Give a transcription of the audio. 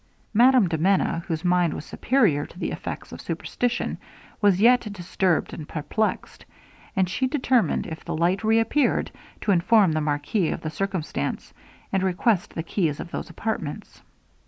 Madame de Menon, whose mind was superior to the effects of superstition, was yet disturbed and perplexed, and she determined, if the light reappeared, to inform the marquis of the circumstance, and request the keys of those apartments.